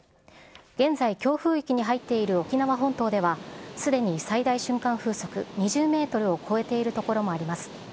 現在、強風域に入っている沖縄本島ではすでに最大瞬間風速２０メートルを超えている所もあります。